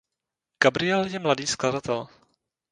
Gabriel je mladý skladatel.